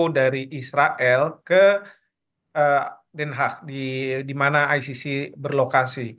dari israel ke den haag di mana icc berlokasi